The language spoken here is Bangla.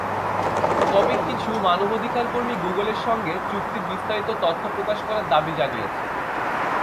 তবে কিছু মানবাধিকারকর্মী গুগলের সঙ্গে চুক্তির বিস্তারিত তথ্য প্রকাশ করার দাবি জানিয়েছে।